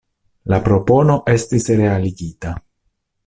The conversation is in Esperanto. La propono estis realigita.